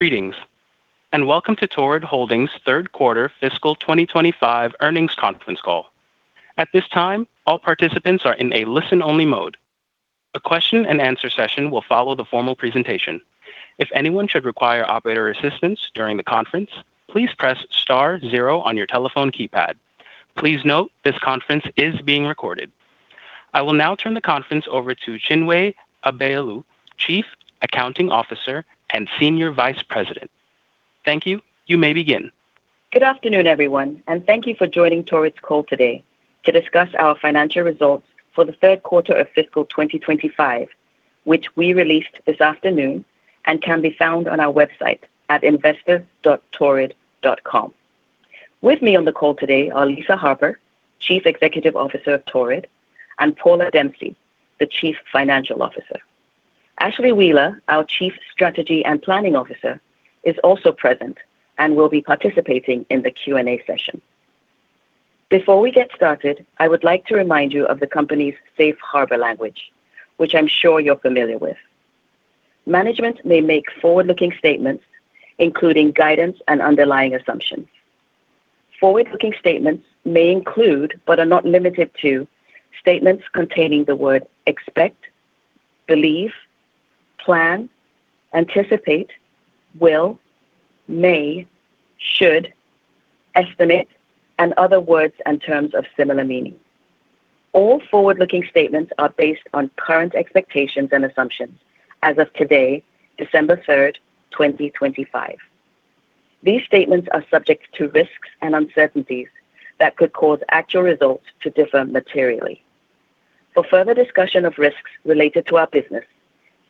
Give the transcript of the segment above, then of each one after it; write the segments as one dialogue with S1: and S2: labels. S1: Greetings, and welcome to Torrid Holdings' Third Quarter Fiscal 2025 Earnings Conference Call. At this time, all participants are in a listen-only mode. A question-and-answer session will follow the formal presentation. If anyone should require operator assistance during the conference, please press star zero on your telephone keypad. Please note this conference is being recorded. I will now turn the conference over to Chinwe Abaelu, Chief Accounting Officer and Senior Vice President. Thank you. You may begin.
S2: Good afternoon, everyone, and thank you for joining Torrid's call today to discuss our financial results for the third quarter of fiscal 2025, which we released this afternoon and can be found on our website at investor.torrid.com. With me on the call today are Lisa Harper, Chief Executive Officer of Torrid, and Paula Dempsey, the Chief Financial Officer. Ashlee Wheeler, our Chief Strategy and Planning Officer, is also present and will be participating in the Q&A session. Before we get started, I would like to remind you of the company's Safe Harbor language, which I'm sure you're familiar with. Management may make forward-looking statements, including guidance and underlying assumptions. Forward-looking statements may include, but are not limited to, statements containing the word expect, believe, plan, anticipate, will, may, should, estimate, and other words and terms of similar meaning. All forward-looking statements are based on current expectations and assumptions as of today, December 3rd, 2025. These statements are subject to risks and uncertainties that could cause actual results to differ materially. For further discussion of risks related to our business,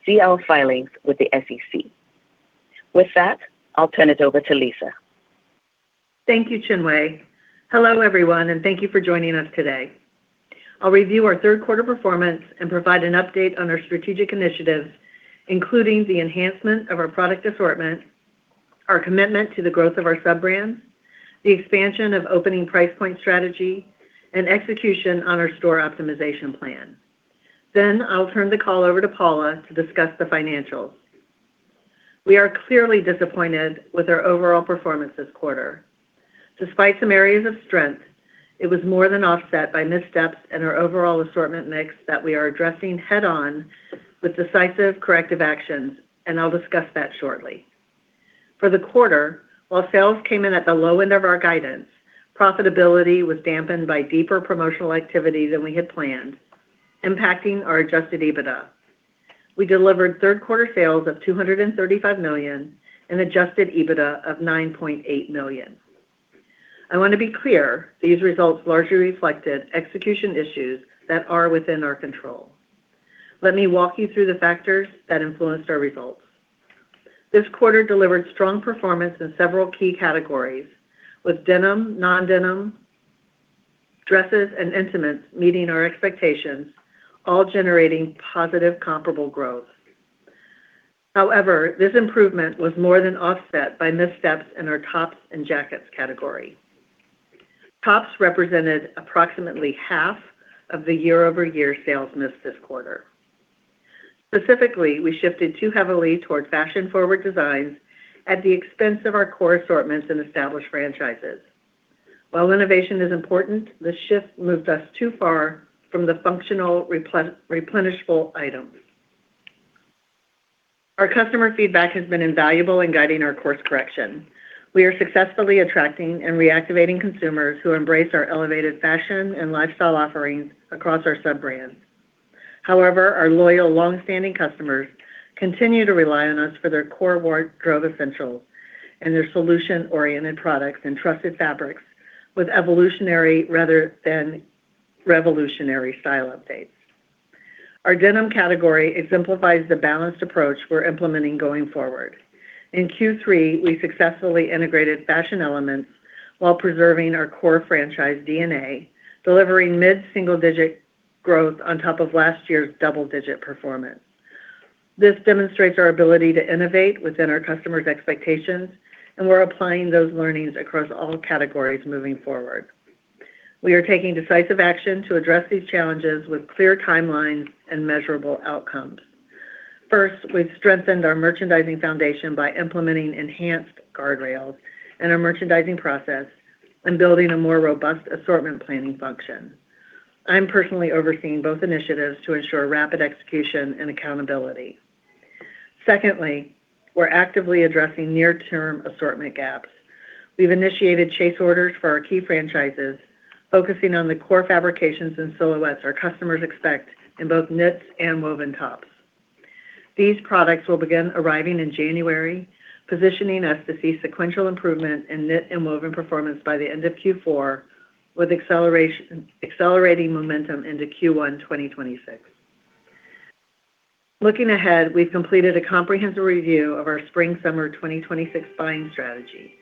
S2: see our filings with the SEC. With that, I'll turn it over to Lisa.
S3: Thank you, Chinwe. Hello, everyone, and thank you for joining us today. I'll review our third quarter performance and provide an update on our strategic initiatives, including the enhancement of our product assortment, our commitment to the growth of our sub-brands, the expansion of opening price point strategy, and execution on our store optimization plan. Then I'll turn the call over to Paula, to discuss the financials. We are clearly disappointed with our overall performance this quarter. Despite some areas of strength, it was more than offset by missteps in our overall assortment mix that we are addressing head-on with decisive corrective actions, and I'll discuss that shortly. For the quarter, while sales came in at the low end of our guidance, profitability was dampened by deeper promotional activity than we had planned, impacting our Adjusted EBITDA. We delivered third quarter sales, of $235 million, and adjusted EBITDA, of $9.8 million. I want to be clear, these results largely reflected execution issues that are within our control. Let me walk you through the factors that influenced our results. This quarter delivered strong performance in several key categories, with denim, non-denim, dresses, and intimates meeting our expectations, all generating positive comparable growth. However, this improvement was more than offset by missteps in our tops and jackets category. Tops represented approximately half of the year-over-year sales missed this quarter. Specifically, we shifted too heavily toward fashion-forward designs at the expense of our core assortments and established franchises. While innovation is important, the shift moved us too far from the functional, replenishable items. Our customer feedback has been invaluable in guiding our course correction. We are successfully attracting and reactivating consumers who embrace our elevated fashion and lifestyle offerings across our sub-brands. However, our loyal, long-standing customers continue to rely on us for their core true essentials and their solution-oriented products and trusted fabrics with evolutionary rather than revolutionary style updates. Our denim category exemplifies the balanced approach we're implementing going forward. In Q3, we successfully integrated fashion elements while preserving our core franchise DNA, delivering mid-single-digit growth on top of last year's double-digit performance. This demonstrates our ability to innovate within our customers' expectations, and we're applying those learnings across all categories moving forward. We are taking decisive action to address these challenges with clear timelines and measurable outcomes. First, we've strengthened our merchandising foundation by implementing enhanced guardrails in our merchandising process and building a more robust assortment planning function. I'm personally overseeing both initiatives to ensure rapid execution and accountability. Secondly, we're actively addressing near-term assortment gaps. We've initiated chase orders for our key franchises, focusing on the core fabrications and silhouettes our customers expect in both knits and woven tops. These products will begin arriving in January, positioning us to see sequential improvement in knit and woven performance by the end of Q4, with accelerating momentum into Q1 2026. Looking ahead, we've completed a comprehensive review of our spring-summer 2026 buying strategy.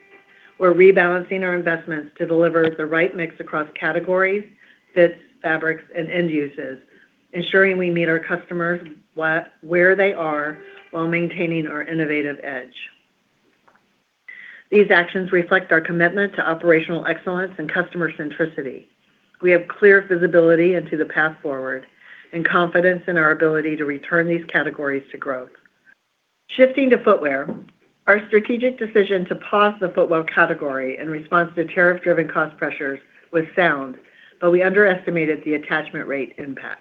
S3: We're rebalancing our investments to deliver the right mix across categories, fits, fabrics, and end uses, ensuring we meet our customers where they are while maintaining our innovative edge. These actions reflect our commitment to operational excellence and customer centricity. We have clear visibility into the path forward and confidence in our ability to return these categories to growth. Shifting to footwear, our strategic decision to pause the footwear category in response to tariff-driven cost pressures was sound, but we underestimated the attachment rate impact.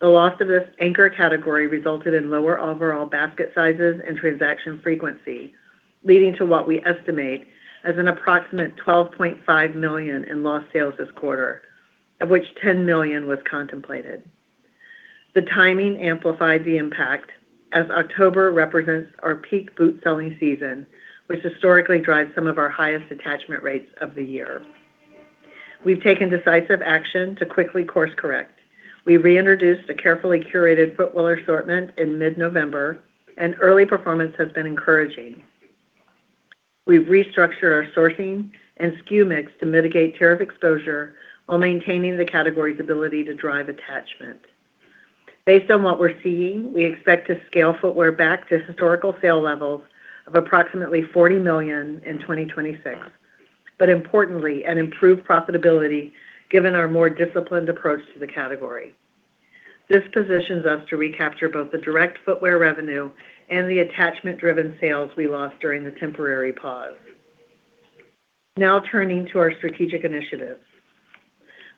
S3: The loss of this anchor category resulted in lower overall basket sizes and transaction frequency, leading to what we estimate as an approximate $12.5 million, in lost sales, this quarter, of which $10 million, was contemplated. The timing amplified the impact as October represents our peak boot selling season, which historically drives some of our highest attachment rates of the year. We've taken decisive action to quickly course correct. We reintroduced a carefully curated footwear assortment in mid-November, and early performance has been encouraging. We've restructured our sourcing and SKU mix to mitigate tariff exposure while maintaining the category's ability to drive attachment. Based on what we're seeing, we expect to scale footwear back to historical sale levels of approximately $40 million in 2026, but importantly, an improved profitability given our more disciplined approach to the category. This positions us to recapture both the direct footwear revenue, and the attachment-driven sales, we lost during the temporary pause. Now turning to our strategic initiatives,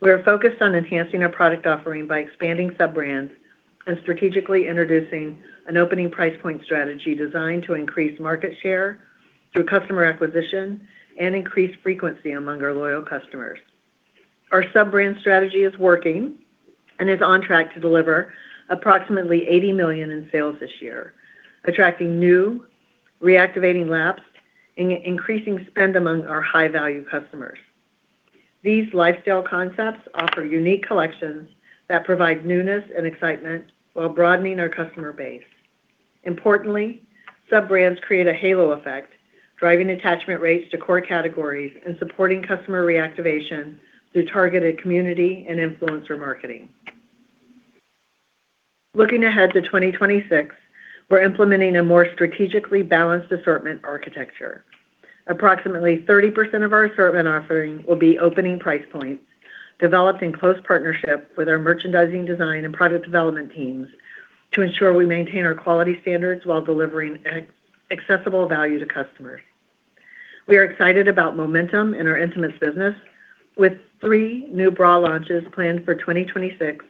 S3: we are focused on enhancing our product offering by expanding sub-brands and strategically introducing an opening price point strategy designed to increase market share, through customer acquisition and increase frequency among our loyal customers. Our sub-brand strategy is working and is on track to deliver approximately $80 million, in sales, this year, attracting new, reactivating lapsed, and increasing spend among our high-value customers. These lifestyle concepts offer unique collections that provide newness and excitement while broadening our customer base. Importantly, sub-brands create a halo effect, driving attachment rates to core categories and supporting customer reactivation through targeted community and influencer marketing. Looking ahead to 2026, we're implementing a more strategically balanced assortment architecture. Approximately 30%, of our assortment offering will be opening price points developed in close partnership with our merchandising design and product development teams to ensure we maintain our quality standards while delivering accessible value to customers. We are excited about momentum in our intimates business, with three new bra launches planned for 2026,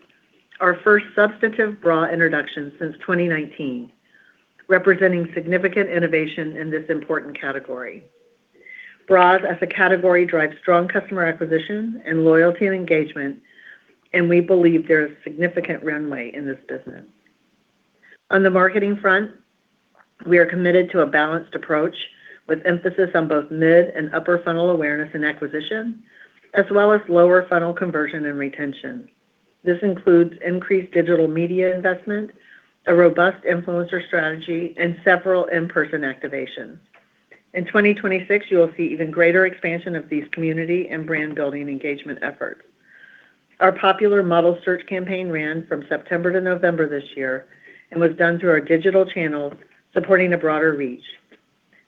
S3: our first substantive bra introduction since 2019, representing significant innovation in this important category. Bras, as a category, drive strong customer acquisition and loyalty and engagement, and we believe there is significant runway in this business. On the marketing front, we are committed to a balanced approach with emphasis on both mid and upper funnel awareness and acquisition, as well as lower funnel conversion and retention. This includes increased digital media investment, a robust influencer strategy, and several in-person activations. In 2026, you will see even greater expansion of these community and brand-building engagement efforts. Our popular model search campaign ran from September to November this year and was done through our digital channels supporting a broader reach.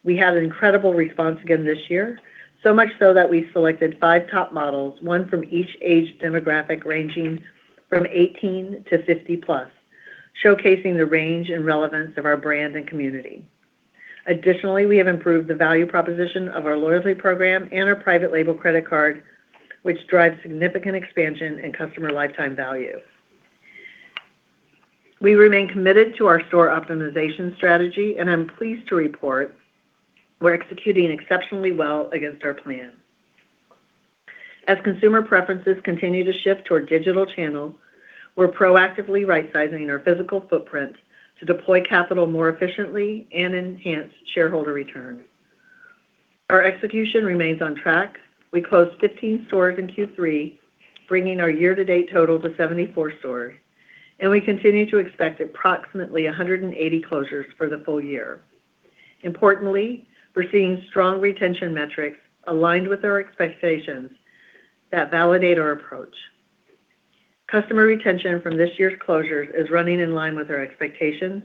S3: We had an incredible response again this year, so much so that we selected five top models, one from each age demographic ranging from 18 to 50 plus, showcasing the range and relevance of our brand and community. Additionally, we have improved the value proposition of our loyalty program and our private label credit card, which drives significant expansion and customer lifetime value. We remain committed to our store optimization strategy, and I'm pleased to report we're executing exceptionally well against our plan. As consumer preferences continue to shift toward digital channels, we're proactively right-sizing our physical footprint to deploy capital more efficiently and enhance shareholder return. Our execution remains on track. We closed 15 stores in Q3, bringing our year-to-date total to 74 stores, and we continue to expect approximately 180 closures for the full year. Importantly, we're seeing strong retention metrics aligned with our expectations that validate our approach. Customer retention from this year's closures is running in line with our expectations,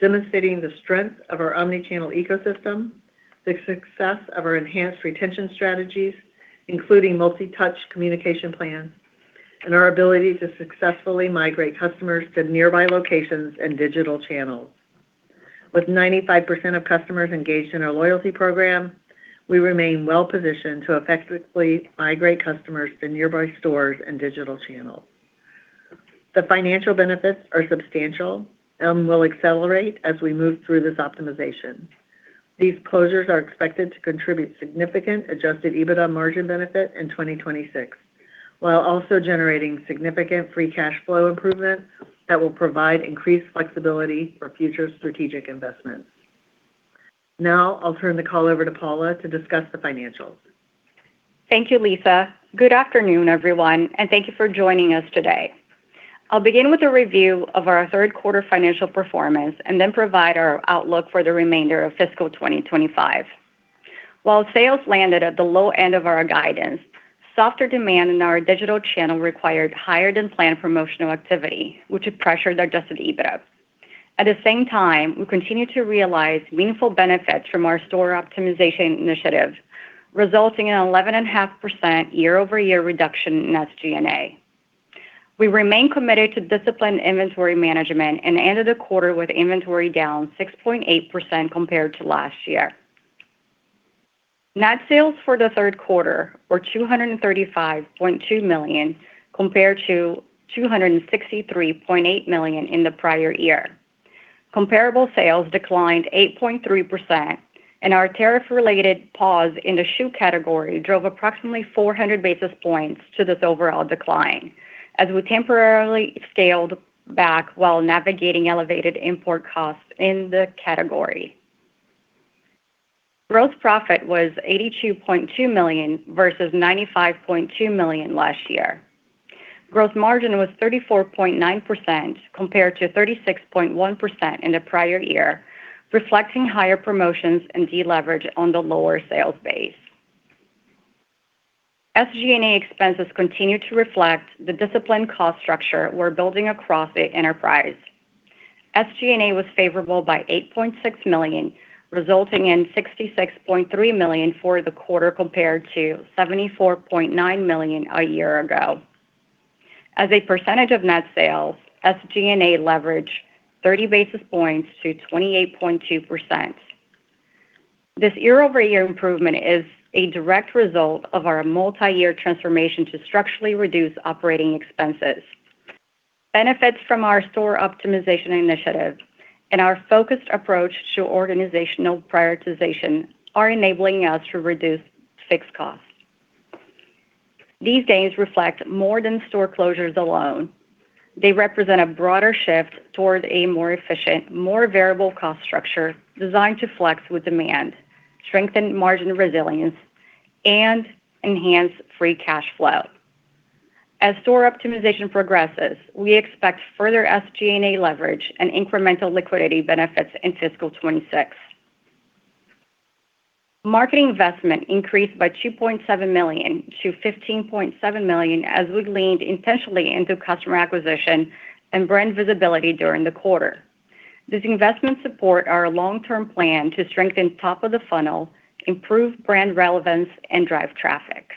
S3: demonstrating the strength of our omnichannel ecosystem, the success of our enhanced retention strategies, including multi-touch communication plans, and our ability to successfully migrate customers to nearby locations and digital channels. With 95%, of customers engaged in our loyalty program, we remain well-positioned to effectively migrate customers to nearby stores and digital channels. The financial benefits are substantial and will accelerate as we move through this optimization. These closures are expected to contribute significant Adjusted EBITDA margin, benefit in 2026, while also generating significant free cash flow, improvement that will provide increased flexibility for future strategic investments. Now I'll turn the call over to Paula, to discuss the financials.
S4: Thank you, Lisa. Good afternoon, everyone, and thank you for joining us today. I'll begin with a review of our third quarter financial performance and then provide our outlook for the remainder of fiscal 2025. While sales landed at the low end of our guidance, softer demand in our digital channel required higher-than-planned promotional activity, which had pressured Adjusted EBITDA. At the same time, we continue to realize meaningful benefits from our store optimization initiative, resulting in an 11.5%, year-over-year reduction in SG&A. We remain committed to disciplined inventory management and ended the quarter with inventory down 6.8%, compared to last year. Net sales, for the third quarter were $235.2 million, compared to $263.8 million, in the prior year. Comparable sales declined 8.3%, and our tariff-related pause in the shoe category drove approximately 400 basis points, to this overall decline, as we temporarily scaled back while navigating elevated import costs in the category. Gross profit, was $82.2 million versus $95.2 million last year. Gross margin, was 34.9%, compared to 36.1%, in the prior year, reflecting higher promotions and deleverage on the lower sales base. SG&A expenses, continue to reflect the disciplined cost structure we're building across the enterprise. SG&A, was favorable by $8.6 million, resulting in $66.3 million, for the quarter compared to $74.9 million a year ago. As a percentage of net sales, SG&A, leveraged 30 basis points, to 28.2%. This year-over-year improvement is a direct result of our multi-year transformation to structurally reduce operating expenses. Benefits from our store optimization initiative and our focused approach to organizational prioritization are enabling us to reduce fixed costs. These gains reflect more than store closures alone. They represent a broader shift toward a more efficient, more variable cost structure designed to flex with demand, strengthen margin resilience, and enhance free cash flow. As store optimization progresses, we expect further SG&A leverage and incremental liquidity benefits in fiscal 2026. Marketing investment, increased by $2.7 million to $15.7 million, as we leaned intentionally into customer acquisition and brand visibility during the quarter. This investment supports our long-term plan to strengthen top-of-the-funnel, improve brand relevance, and drive traffic.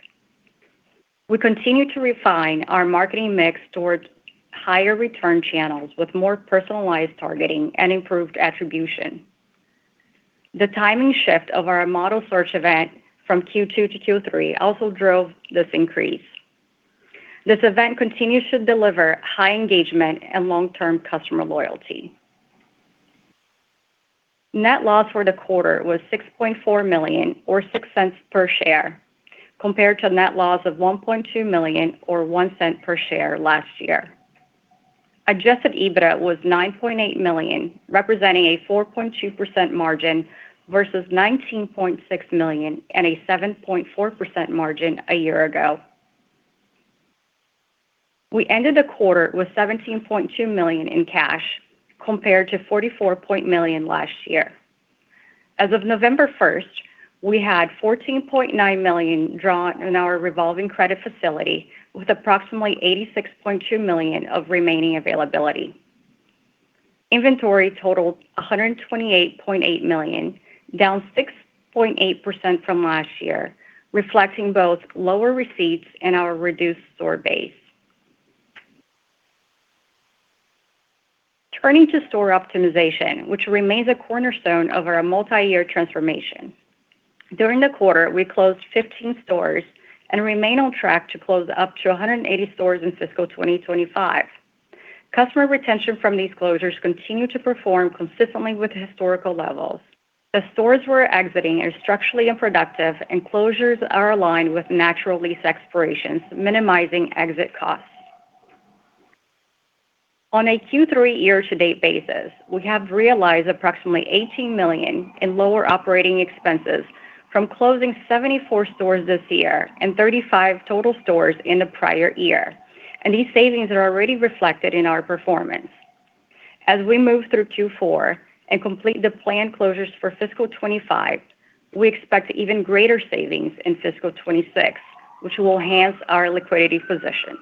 S4: We continue to refine our marketing mix toward higher return channels with more personalized targeting and improved attribution. The timing shift of our model search event from Q2 to Q3 also drove this increase. This event continues to deliver high engagement and long-term customer loyalty. Net loss, for the quarter was $6.4 million, or $0.06 per share, compared to net loss of $1.2 million, or $0.01 per share last year. Adjusted EBITDA, was $9.8 million, representing a 4.2% margin, versus $19.6 million and a 7.4% margin, a year ago. We ended the quarter with $17.2 million in cash, compared to $44.0 million last year. As of November 1st, we had $14.9 million drawn in our revolving credit facility, with approximately $86.2 million of remaining availability. Inventory, totaled $128.8 million, down 6.8%, from last year, reflecting both lower receipts and our reduced store base. Turning to store optimization, which remains a cornerstone of our multi-year transformation. During the quarter, we closed 15 stores and remain on track to close up to 180 stores in fiscal 2025. Customer retention from these closures continued to perform consistently with historical levels. The stores we're exiting are structurally unproductive, and closures are aligned with natural lease expirations, minimizing exit costs. On a Q3 year-to-date basis, we have realized approximately $18 million, in lower operating expenses from closing 74 stores this year and 35 total stores in the prior year, and these savings are already reflected in our performance. As we move through Q4 and complete the planned closures for fiscal 2025, we expect even greater savings in fiscal 2026, which will enhance our liquidity position.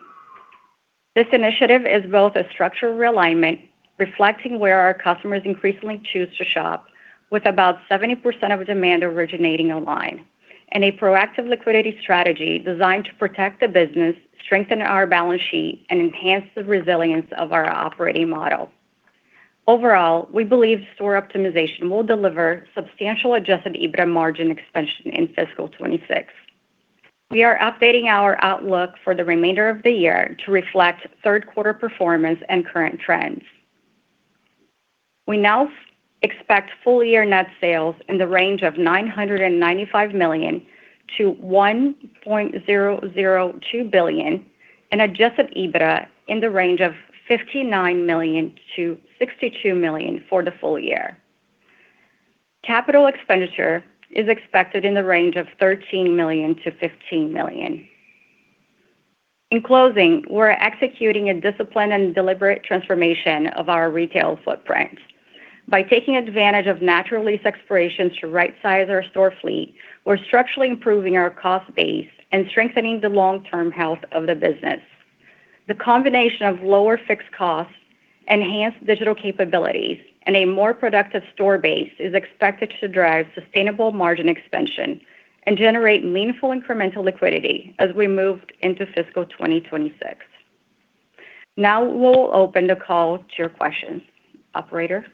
S4: This initiative is both a structural realignment, reflecting where our customers increasingly choose to shop, with about 70%, of demand originating online, and a proactive liquidity strategy designed to protect the business, strengthen our balance sheet, and enhance the resilience of our operating model. Overall, we believe store optimization will deliver substantial Adjusted EBITDA margin, expansion in fiscal 2026. We are updating our outlook for the remainder of the year to reflect third-quarter performance and current trends. We now expect full-year net sales in the range of $995 million-$1.002 billion, and Adjusted EBITDA, in the range of $59 million-$62 million, for the full year. Capital expenditure, is expected in the range of $13 million-$15 million. In closing, we're executing a disciplined and deliberate transformation of our retail footprint. By taking advantage of natural lease expirations to right-size our store fleet, we're structurally improving our cost base and strengthening the long-term health of the business. The combination of lower fixed costs, enhanced digital capabilities, and a more productive store base is expected to drive sustainable margin expansion and generate meaningful incremental liquidity as we move into fiscal 2026. Now we'll open the call to your questions, operator.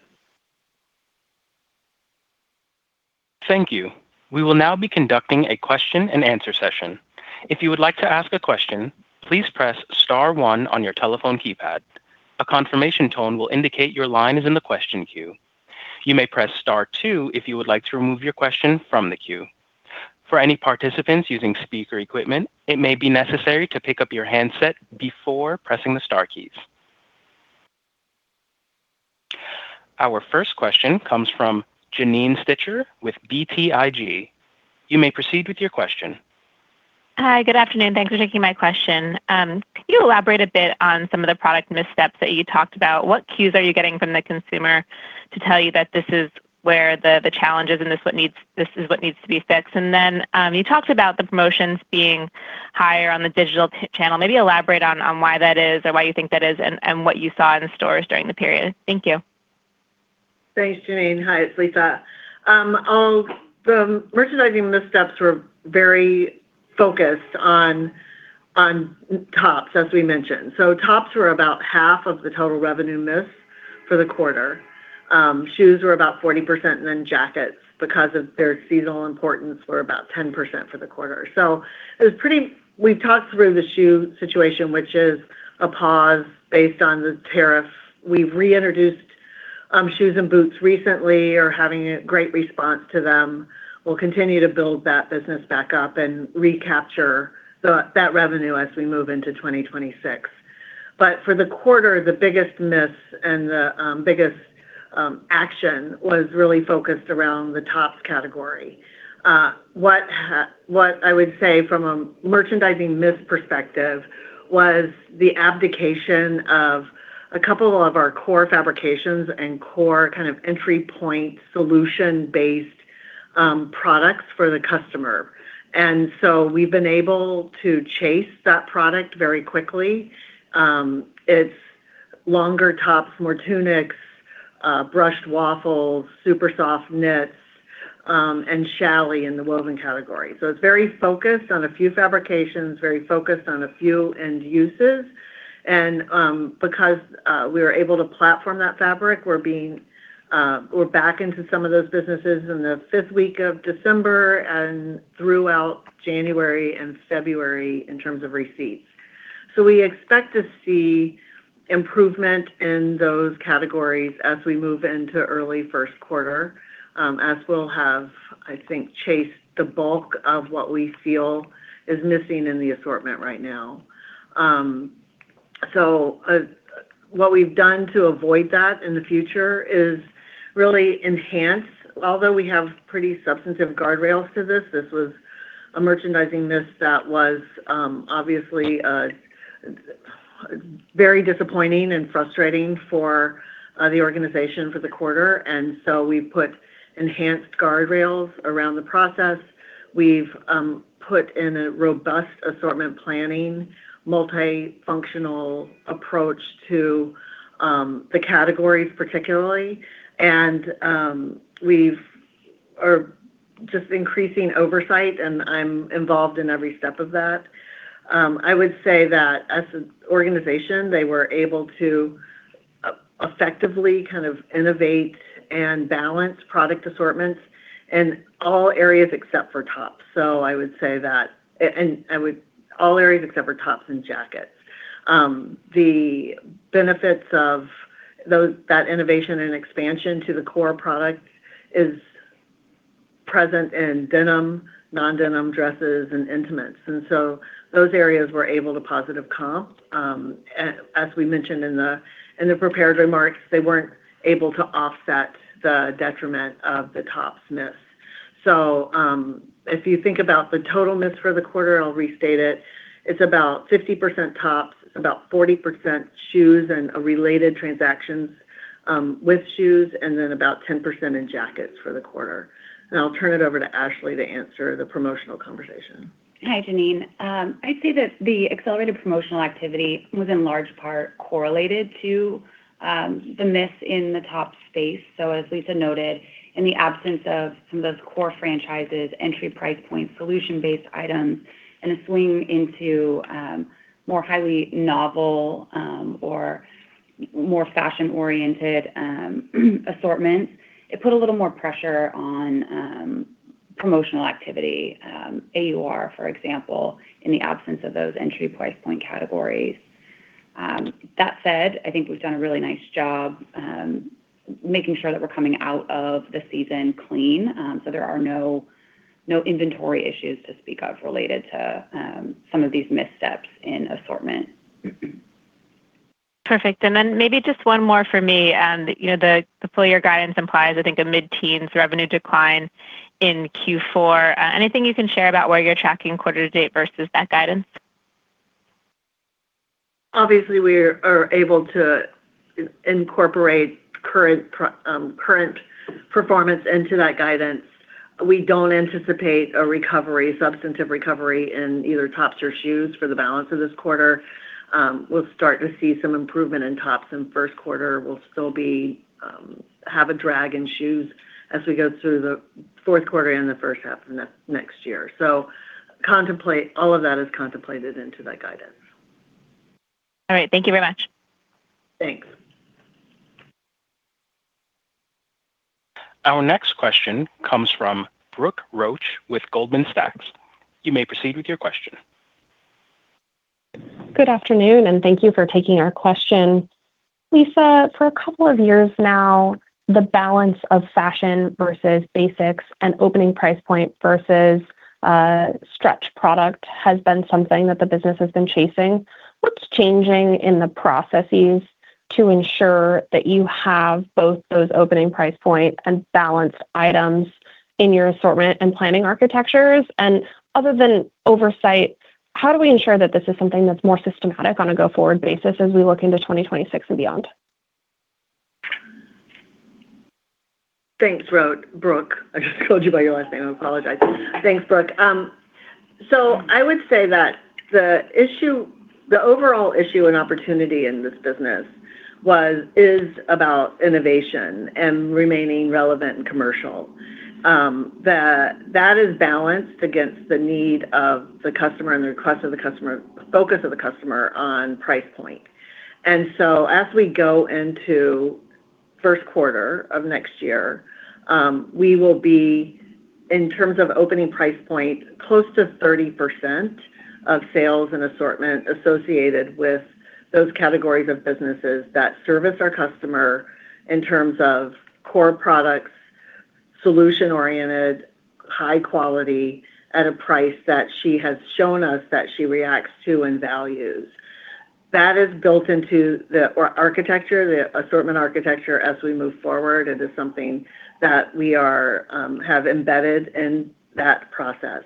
S1: Thank you. We will now be conducting a question-and-answer session. If you would like to ask a question, please press Star 1 on your telephone keypad. A confirmation tone will indicate your line is in the question queue. You may press Star 2 if you would like to remove your question from the queue. For any participants using speaker equipment, it may be necessary to pick up your handset before pressing the Star keys. Our first question comes from Janine Stichter, with BTIG. You may proceed with your question.
S5: Hi, good afternoon. Thanks for taking my question. Can you elaborate a bit on some of the product missteps that you talked about? What cues are you getting from the consumer to tell you that this is where the challenge is and this is what needs to be fixed? And then you talked about the promotions being higher on the digital channel. Maybe elaborate on why that is or why you think that is and what you saw in stores during the period. Thank you.
S3: Thanks, Janine. Hi, it's Lisa. The merchandising missteps were very focused on tops, as we mentioned. So tops were about half of the total revenue miss for the quarter. Shoes were about 40%, and then jackets, because of their seasonal importance, were about 10%, for the quarter. So we've talked through the shoe situation, which is a pause based on the tariffs. We've reintroduced shoes and boots recently or are having a great response to them. We'll continue to build that business back up and recapture that revenue as we move into 2026. But for the quarter, the biggest miss and the biggest action was really focused around the tops category. What I would say from a merchandising miss perspective was the abdication of a couple of our core fabrications and core kind of entry point solution-based products for the customer. And so we've been able to chase that product very quickly. It's longer tops, more tunics, brushed waffles, super soft knits, and challis, in the woven category. So it's very focused on a few fabrications, very focused on a few end uses. And because we were able to platform that fabric, we're back into some of those businesses in the fifth week of December and throughout January and February in terms of receipts. So we expect to see improvement in those categories as we move into early first quarter, as we'll have, I think, chased the bulk of what we feel is missing in the assortment right now. So what we've done to avoid that in the future is really enhance, although we have pretty substantive guardrails to this. This was a merchandising miss that was obviously very disappointing and frustrating for the organization for the quarter. And so we've put enhanced guardrails around the process. We've put in a robust assortment planning, multi-functional approach to the categories particularly, and we're just increasing oversight, and I'm involved in every step of that. I would say that as an organization, they were able to effectively kind of innovate and balance product assortments in all areas except for tops. So I would say that all areas except for tops and jackets. The benefits of that innovation and expansion to the core product is present in denim, non-denim dresses, and intimates. And so those areas were able to positive comp. As we mentioned in the prepared remarks, they weren't able to offset the detriment of the tops miss. So if you think about the total miss for the quarter, I'll restate it. It's about 50% tops, about 40% shoes, and related transactions with shoes, and then about 10% in jackets, for the quarter, and I'll turn it over to Ashlee, to answer the promotional conversation.
S6: Hi, Janine. I'd say that the accelerated promotional activity was in large part correlated to the miss in the tops space. So as Lisa noted, in the absence of some of those core franchises, entry price point, solution-based items, and a swing into more highly novel or more fashion-oriented assortments, it put a little more pressure on promotional activity, AUR, for example, in the absence of those entry price point categories. That said, I think we've done a really nice job making sure that we're coming out of the season clean. So there are no inventory issues to speak of related to some of these missteps in assortment.
S5: Perfect. And then maybe just one more for me. The full-year guidance implies, I think, a mid-teens revenue decline in Q4. Anything you can share about where you're tracking quarter-to-date versus that guidance?
S3: Obviously, we are able to incorporate current performance into that guidance. We don't anticipate a recovery, substantive recovery in either tops or shoes for the balance of this quarter. We'll start to see some improvement in tops in first quarter. We'll still have a drag in shoes as we go through the fourth quarter and the first half of next year. So all of that is contemplated into that guidance.
S5: All right. Thank you very much.
S3: Thanks.
S1: Our next question comes from Brooke Roach, with Goldman Sachs. You may proceed with your question.
S7: Good afternoon, and thank you for taking our question. Lisa, for a couple of years now, the balance of fashion versus basics and opening price point versus stretch product has been something that the business has been chasing. What's changing in the processes to ensure that you have both those opening price point and balanced items in your assortment and planning architectures? And other than oversight, how do we ensure that this is something that's more systematic on a go-forward basis as we look into 2026 and beyond?
S3: Thanks, Brooke. I just called you by your last name. I apologize. Thanks, Brooke. So I would say that the overall issue and opportunity in this business is about innovation and remaining relevant and commercial. That is balanced against the need of the customer and the request of the customer, focus of the customer on price point, and so as we go into first quarter of next year, we will be, in terms of opening price point, close to 30% of sales, and assortment associated with those categories of businesses that service our customer in terms of core products, solution-oriented, high-quality at a price that she has shown us that she reacts to and values. That is built into the architecture, the assortment architecture as we move forward. It is something that we have embedded in that process.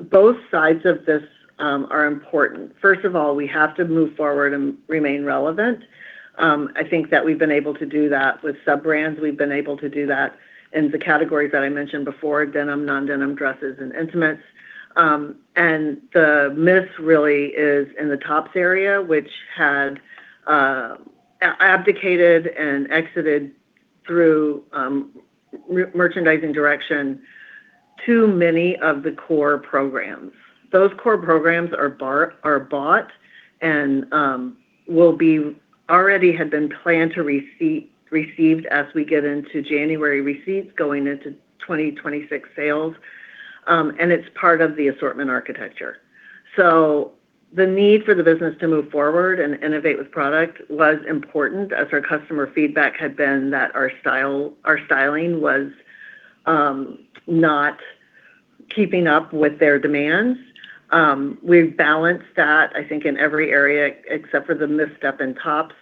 S3: Both sides of this are important. First of all, we have to move forward and remain relevant. I think that we've been able to do that with sub-brands. We've been able to do that in the categories that I mentioned before, denim, non-denim dresses, and intimates, and the miss really is in the tops area, which had abdicated and exited through merchandising direction to many of the core programs. Those core programs are bought and will already have been planned to receive as we get into January receipts going into 2026 sales, and it's part of the assortment architecture, so the need for the business to move forward and innovate with product was important as our customer feedback had been that our styling was not keeping up with their demands. We've balanced that, I think, in every area except for the misstep in tops,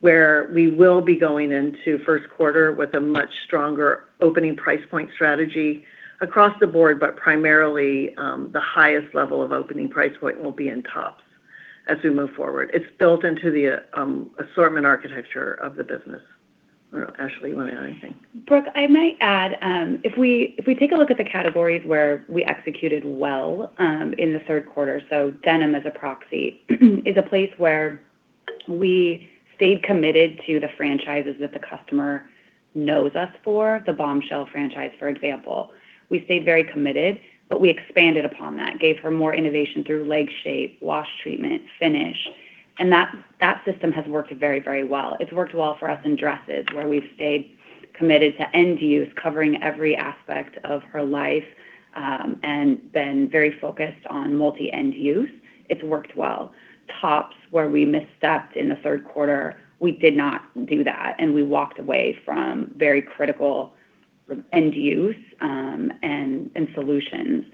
S3: where we will be going into first quarter with a much stronger opening price point strategy across the board, but primarily the highest level of opening price point will be in tops as we move forward. It's built into the assortment architecture of the business. I don't know, Ashlee, you want to add anything?
S6: Brooke, I might add, if we take a look at the categories where we executed well in the third quarter, so denim as a proxy is a place where we stayed committed to the franchises that the customer knows us for. The Bombshell franchise, for example, we stayed very committed, but we expanded upon that, gave her more innovation through leg shape, wash treatment, finish, and that system has worked very, very well. It's worked well for us in dresses, where we've stayed committed to end use, covering every aspect of her life, and been very focused on multi-end use. It's worked well. Tops, where we mistepped in the third quarter, we did not do that, and we walked away from very critical end use and solutions.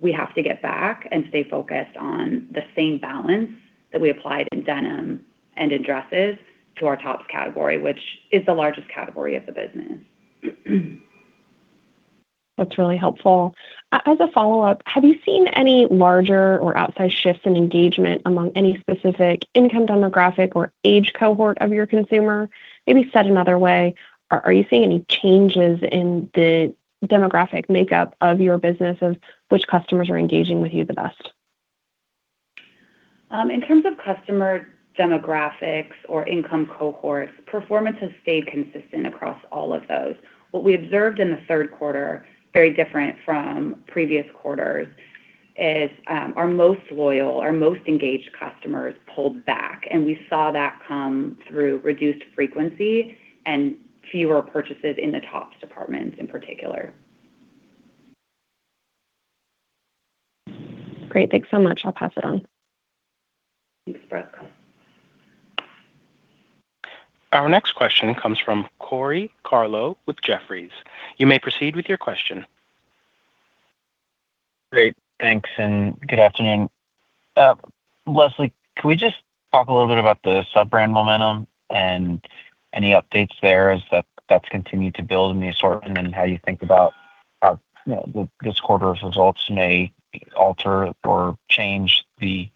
S6: We have to get back and stay focused on the same balance that we applied in denim and in dresses to our tops category, which is the largest category of the business.
S7: That's really helpful. As a follow-up, have you seen any larger or outsized shifts in engagement among any specific income demographic or age cohort of your consumer? Maybe said another way, are you seeing any changes in the demographic makeup of your business of which customers are engaging with you the best?
S6: In terms of customer demographics or income cohorts, performance has stayed consistent across all of those. What we observed in the third quarter, very different from previous quarters, is our most loyal, our most engaged customers pulled back, and we saw that come through reduced frequency and fewer purchases in the tops department in particular.
S7: Great. Thanks so much. I'll pass it on.
S6: Thanks, Brooke.
S1: Our next question comes from Corey Tarlowe, with Jefferies. You may proceed with your question.
S8: Great. Thanks, and good afternoon. Lisa, can we just talk a little bit about the sub-brand momentum and any updates there as that's continued to build in the assortment and how you think about how this quarter's results may alter or change the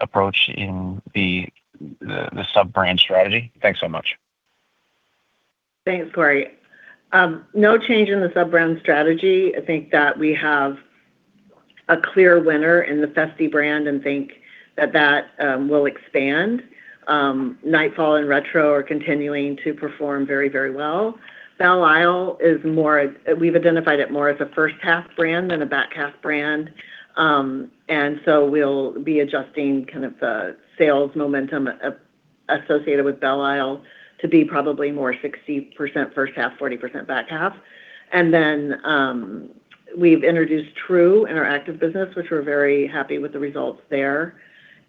S8: approach in the sub-brand strategy? Thanks so much.
S3: Thanks, Corey. No change in the sub-brand strategy. I think that we have a clear winner in the Festi brand and think that that will expand. Nightfall and Retro are continuing to perform very, very well. Belle Isle is more we've identified it more as a first half brand than a back half brand. And so we'll be adjusting kind of the sales momentum associated with Belle Isle to be probably more 60% first half, 40% back half. And then we've introduced Tru, in our active business, which we're very happy with the results there.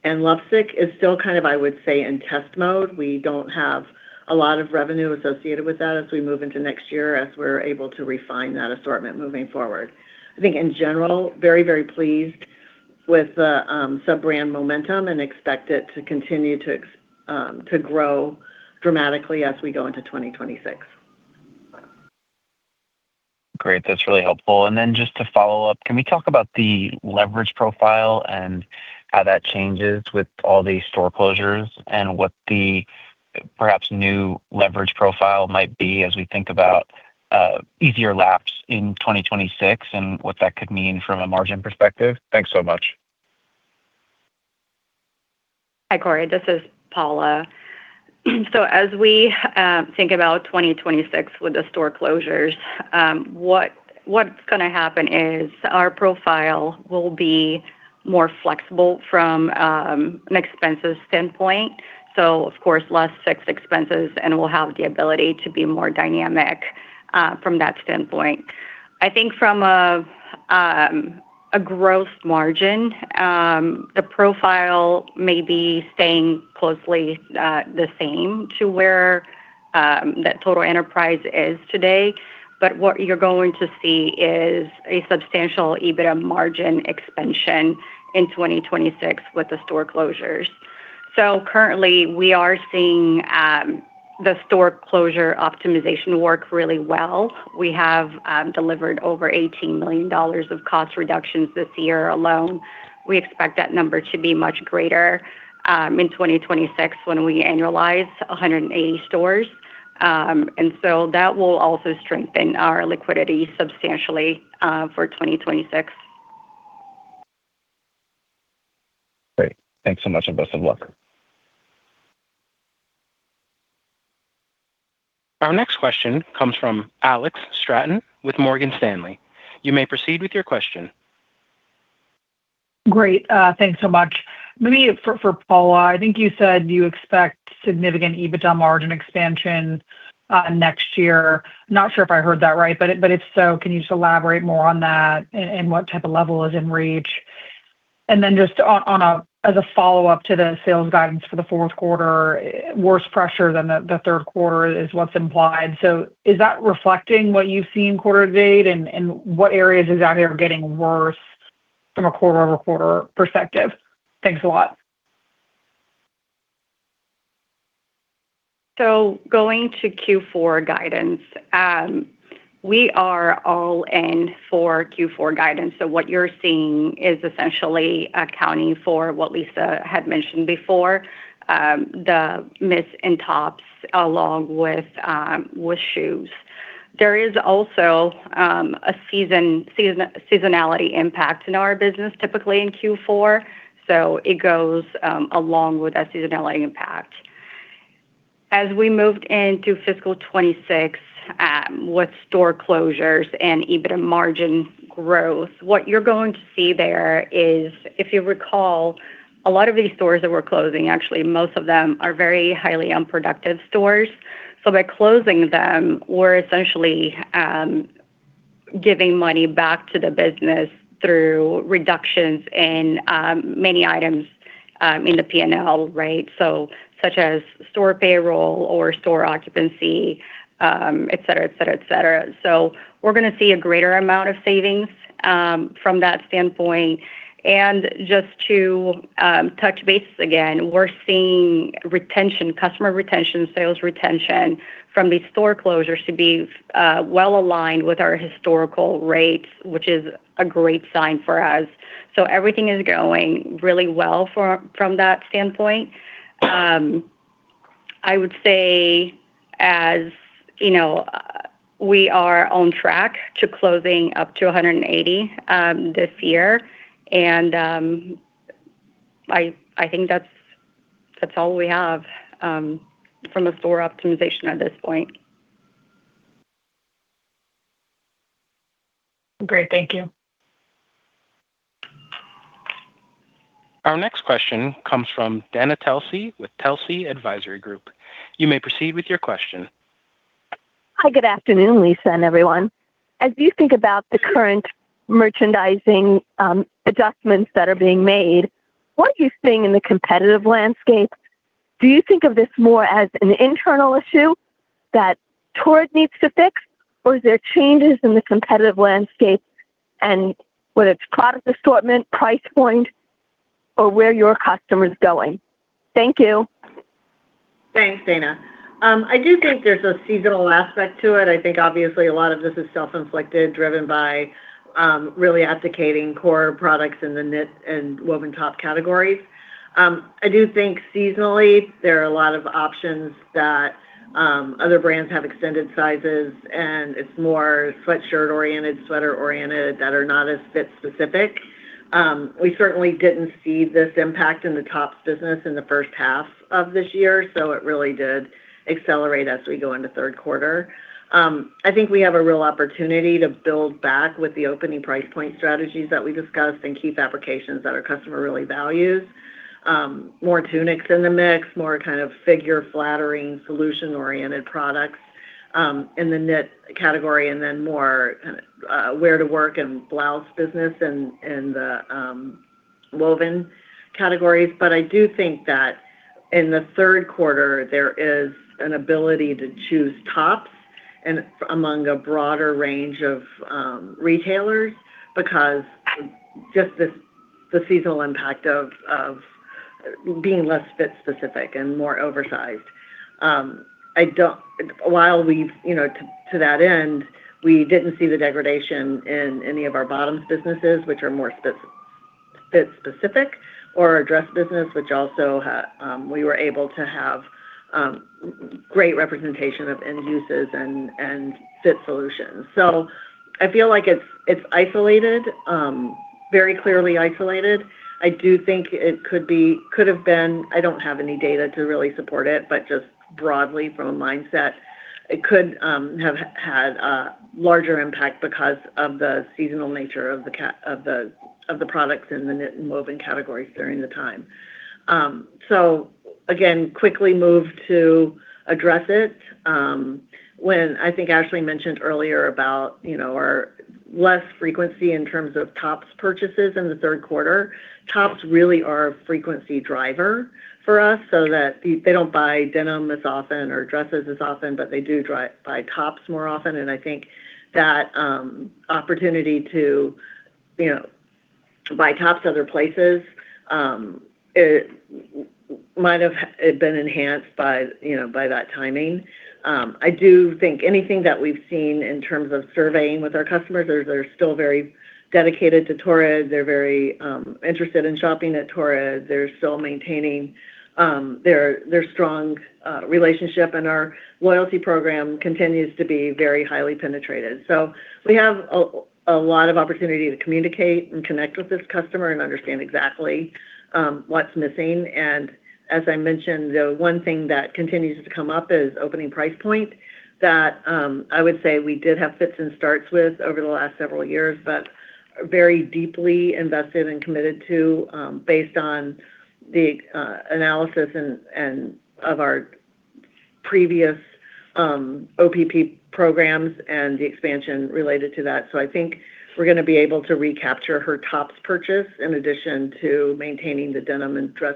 S3: And Lovesick is still kind of, I would say, in test mode. We don't have a lot of revenue associated with that as we move into next year as we're able to refine that assortment moving forward. I think in general, very, very pleased with the sub-brand momentum and expect it to continue to grow dramatically as we go into 2026.
S8: Great. That's really helpful. And then just to follow up, can we talk about the leverage profile and how that changes with all the store closures and what the perhaps new leverage profile might be as we think about easier laps in 2026 and what that could mean from a margin perspective? Thanks so much.
S4: Hi, Corey. This is Paula. So as we think about 2026 with the store closures, what's going to happen is our profile will be more flexible from an expenses standpoint. So, of course, less fixed expenses, and we'll have the ability to be more dynamic from that standpoint. I think from a gross margin, the profile may be staying closely the same to where that total enterprise is today. But what you're going to see is a substantial EBITDA margin, expansion in 2026 with the store closures. So currently, we are seeing the store closure optimization work really well. We have delivered over $18 million, of cost reductions this year alone. We expect that number to be much greater in 2026 when we annualize 180 stores. And so that will also strengthen our liquidity substantially for 2026.
S8: Great. Thanks so much, and best of luck.
S1: Our next question comes from Alex Straton, with Morgan Stanley. You may proceed with your question.
S9: Great. Thanks so much. Maybe for Paula, I think you said you expect significant EBITDA margin, expansion next year. Not sure if I heard that right, but if so, can you just elaborate more on that and what type of level is in reach? And then just as a follow-up to the sales guidance for the fourth quarter, worse pressure than the third quarter is what's implied. So is that reflecting what you've seen quarter-to-date and what areas exactly are getting worse from a quarter-over-quarter perspective? Thanks a lot.
S4: Going to Q4 guidance, we are all in for Q4 guidance. So what you're seeing is essentially accounting for what Lisa had mentioned before, the miss in tops along with shoes. There is also a seasonality impact in our business typically in Q4. So it goes along with that seasonality impact. As we moved into fiscal 2026 with store closures and EBITDA margin growth, what you're going to see there is, if you recall, a lot of these stores that were closing, actually, most of them are very highly unproductive stores. So by closing them, we're essentially giving money back to the business through reductions in many items in the P&L, right? So such as store payroll or store occupancy, etc., etc., etc. So we're going to see a greater amount of savings from that standpoint.
S3: Just to touch base again, we're seeing customer retention, sales retention from these store closures to be well aligned with our historical rates, which is a great sign for us. So everything is going really well from that standpoint. I would say as we are on track to closing up to 180 this year. I think that's all we have from the store optimization at this point.
S9: Great. Thank you.
S1: Our next question comes from Dana Telsey, with Telsey Advisory Group. You may proceed with your question.
S10: Hi, good afternoon, Lisa and everyone. As you think about the current merchandising adjustments that are being made, what are you seeing in the competitive landscape? Do you think of this more as an internal issue that Torrid needs to fix, or is there changes in the competitive landscape and whether it's product assortment, price point, or where your customer is going? Thank you.
S3: Thanks, Dana. I do think there's a seasonal aspect to it. I think obviously a lot of this is self-inflicted, driven by really abdicating core products in the knit and woven top categories. I do think seasonally there are a lot of options that other brands have extended sizes, and it's more sweatshirt-oriented, sweater-oriented that are not as fit-specific. We certainly didn't see this impact in the tops business in the first half of this year, so it really did accelerate as we go into third quarter. I think we have a real opportunity to build back with the opening price point strategies that we discussed and keep applications that our customer really values. More tunics in the mix, more kind of figure-flattering, solution-oriented products in the knit category, and then more kind of wear-to-work and blouse business in the woven categories. But I do think that in the third quarter, there is an ability to choose tops among a broader range of retailers because just the seasonal impact of being less fit-specific and more oversized. While to that end, we didn't see the degradation in any of our bottoms businesses, which are more fit-specific, or our dress business, which also we were able to have great representation of end uses and fit solutions. So I feel like it's isolated, very clearly isolated. I do think it could have been. I don't have any data to really support it, but just broadly from a mindset, it could have had a larger impact because of the seasonal nature of the products in the knit and woven categories during the time. So again, quickly moved to address it. When I think Ashlee, mentioned earlier about our less frequency in terms of tops purchases in the third quarter, tops really are a frequency driver for us so that they don't buy denim as often or dresses as often, but they do buy tops more often. And I think that opportunity to buy tops other places might have been enhanced by that timing. I do think anything that we've seen in terms of surveying with our customers is they're still very dedicated to Torrid. They're very interested in shopping at Torrid. They're still maintaining their strong relationship, and our loyalty program continues to be very highly penetrated. So we have a lot of opportunity to communicate and connect with this customer and understand exactly what's missing. As I mentioned, the one thing that continues to come up is opening price point that I would say we did have fits and starts with over the last several years, but very deeply invested and committed to based on the analysis of our previous OPP programs, and the expansion related to that. So I think we're going to be able to recapture her tops purchase in addition to maintaining the denim and dress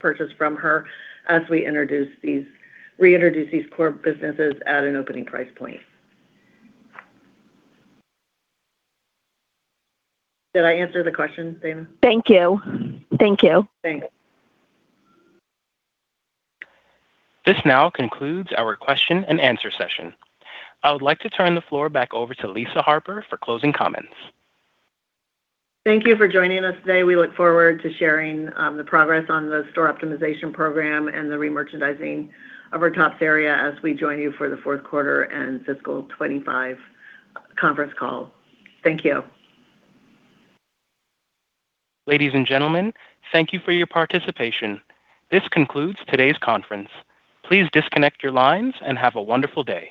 S3: purchase from her as we reintroduce these core businesses at an opening price point. Did I answer the question, Dana?
S10: Thank you. Thank you.
S3: Thanks.
S1: This now concludes our question and answer session. I would like to turn the floor back over to Lisa Harper, for closing comments.
S3: Thank you for joining us today. We look forward to sharing the progress on the store optimization program and the re-merchandising of our tops area as we join you for the Fourth Quarter and Fiscal 2025 Conference Call. Thank you.
S1: Ladies and gentlemen, thank you for your participation. This concludes today's conference. Please disconnect your lines and have a wonderful day.